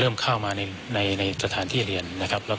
เริ่มเข้ามาในในในสถานที่เรียนนะครับแล้ว